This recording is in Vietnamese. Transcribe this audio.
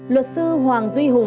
luật sư hoàng duy hùng